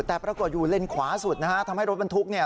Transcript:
แต่ปรากฏอยู่เลนขวาสุดทำให้รถมันทุกข์